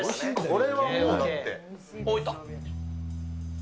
これはもう、だって。